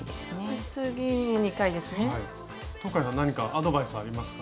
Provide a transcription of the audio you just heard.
東海さん何かアドバイスありますか？